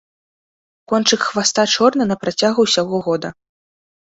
Кончык хваста чорны на працягу ўсяго года.